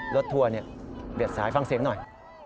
รถทัวร์เนี่ยเบียดสายฟังเสียงหน่อย